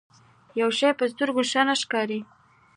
يو شی په سترګو ښه نه ښکاري.